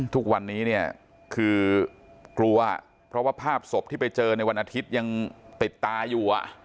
ทุกวันนี้เนี่ยคือกลัวเพราะว่าภาพศพที่ไปเจอในวันอาทิตย์ยังติดตาอยู่